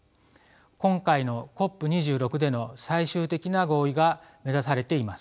今回のＣＯＰ２６での最終的な合意が目指されています。